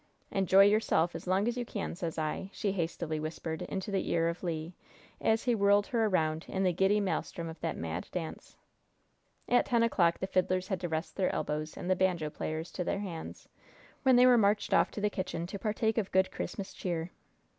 "Enjoy yourself as long as you can, sez I!" she hastily whispered into the ear of Le, as he whirled her around in the giddy maelstrom of that mad dance. At ten o'clock the fiddlers had rest to their elbows and the banjo players to their hands, when they were marched off to the kitchen, to partake of good Christmas cheer.